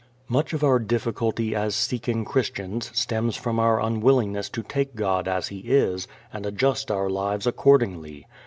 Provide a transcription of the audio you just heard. Much of our difficulty as seeking Christians stems from our unwillingness to take God as He is and adjust our lives accordingly.